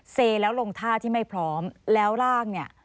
เซแล้วลงท่าที่ไม่พร้อมแล้วร่างเนี่ย